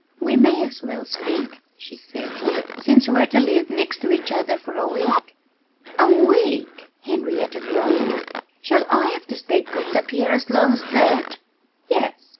"We may as well speak," she said, "since we're to live next to each other for a week." "A week!" Henrietta groaned. "Shall I have to stay cooped up here as long as that?" "Yes!"